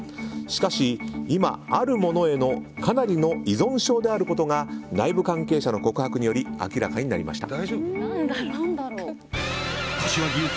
しかし、今あるものへのかなりの依存症であることが内部関係者の告白により明らかになりました。